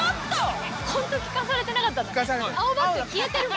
ホント聞かされてなかったんだね。